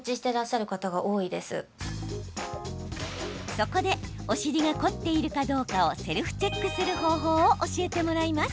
そこで、お尻が凝っているかどうかをセルフチェックする方法を教えてもらいます。